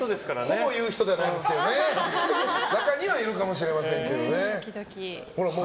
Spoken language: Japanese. ほぼ言う人いないですけど中にはいるかもしれませんけどね。